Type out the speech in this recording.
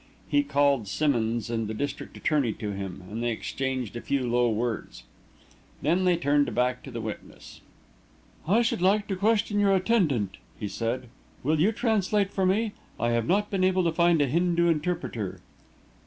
He called Simmonds and the district attorney to him, and they exchanged a few low words. Then he turned back to the witness. "I should like to question your attendant," he said. "Will you translate for me? I have not been able to find a Hindu interpreter."